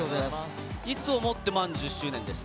いつをもって満１０年ですか？